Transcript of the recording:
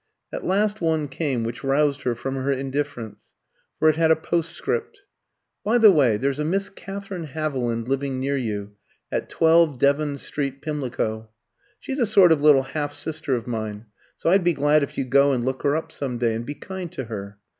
At last one came which roused her from her indifference, for it had a postscript: "By the way, there's a Miss Katherine Haviland living near you, at 12 Devon Street, Pimlico. She's a sort of little half sister of mine, so I'd be glad if you'd go and look her up some day and be kind to her.